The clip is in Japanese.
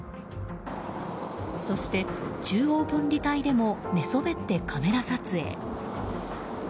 そして、中央分離帯でも寝そべってカメラ撮影。